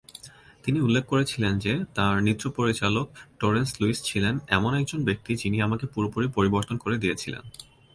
তিনি উল্লেখ করেছিলেন যে তাঁর নৃত্য পরিচালক টেরেন্স লুইস ছিলেন "এমন একজন ব্যক্তি, যিনি আমাকে পুরোপুরি পরিবর্তন করে দিয়েছিলেন"।